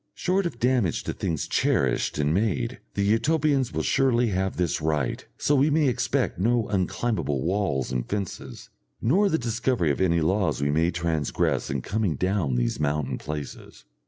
Short of damage to things cherished and made, the Utopians will surely have this right, so we may expect no unclimbable walls and fences, nor the discovery of any laws we may transgress in coming down these mountain places.